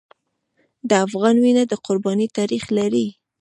د افغان وینه د قربانۍ تاریخ لري.